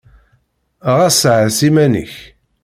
Ɣas ɛass iman-nnek!